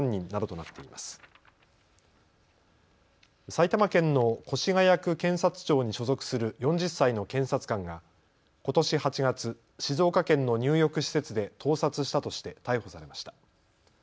埼玉県の越谷区検察庁に所属する４０歳の検察官がことし８月、静岡県の入浴施設で盗撮したとして逮捕されました。